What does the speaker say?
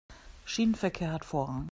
Schienenverkehr hat Vorrang.